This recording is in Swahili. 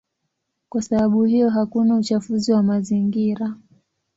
Kwa sababu hiyo hakuna uchafuzi wa mazingira.